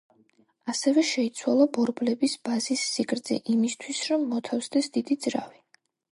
ასევე შეიცვალა ბორბლების ბაზის სიგრძე იმისთვის, რომ მოთავსდეს დიდი ძრავი.